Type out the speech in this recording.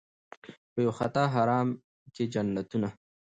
په یوه خطا حرام کړي جنتونه